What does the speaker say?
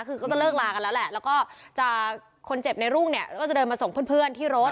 คือก็จะเลิกลากันแล้วแหละแล้วก็จะคนเจ็บในรุ่งเนี่ยก็จะเดินมาส่งเพื่อนที่รถ